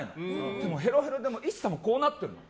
でも、へろへろでＩＳＳＡもこうなってるの。